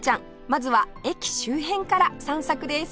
まずは駅周辺から散策です